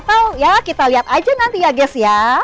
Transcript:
atau ya kita lihat aja nanti ya ges ya